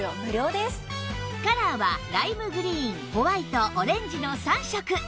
カラーはライムグリーンホワイトオレンジの３色